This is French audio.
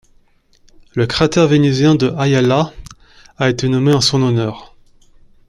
Le cratère vénusien de Ayala a été nommé en son honneur.